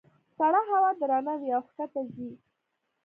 سړه هوا درنه وي او ښکته ځي.